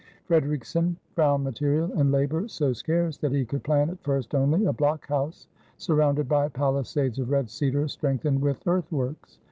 Fredericksen found material and labor so scarce that he could plan at first only a blockhouse surrounded by palisades of red cedar strengthened with earthworks.